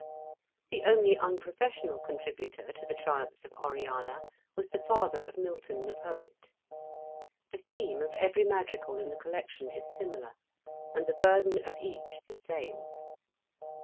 The only unprofessional contributor to the 1 ' Triumphs of Oriana " was the father of Milton the poet. The theme of every madrigal in the collection is similar, and the burden of each the same.